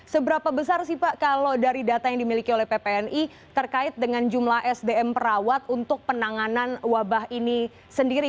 seberapa besar sih pak kalau dari data yang dimiliki oleh ppni terkait dengan jumlah sdm perawat untuk penanganan wabah ini sendiri